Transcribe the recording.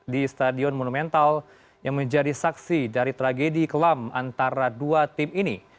di stadion monumental yang menjadi saksi dari tragedi kelam antara dua tim ini